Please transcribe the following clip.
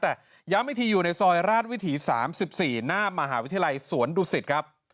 แต่ย้ำอีกทีอยู่ในซอยราชวิถี๓๔หน้ามหาวิทยาลัยสวนดุสิตครับ